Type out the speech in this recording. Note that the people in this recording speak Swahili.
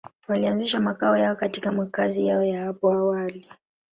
Walianzisha makao yao katika makazi yao ya hapo awali.